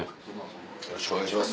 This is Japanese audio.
よろしくお願いします。